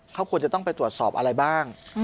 เขาควรจะต้องไปตรวจสอบอะไรบ้าง